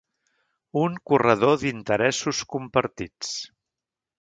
Un corredor d’interessos compartits.